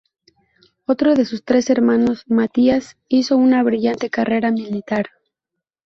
Otro de sus tres hermanos, Matías, hizo una brillante carrera militar.